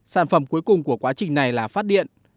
sản phẩm cuối cùng của quá trình này là phát điện